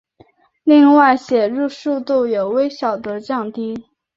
另外写入速度有微小的降低。